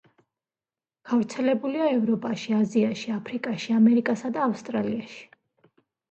გავრცელებულია ევროპაში, აზიაში, აფრიკაში, ამერიკასა და ავსტრალიაში.